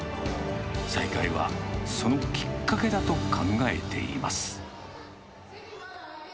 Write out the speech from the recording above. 再会はそのきっかけだと考えています。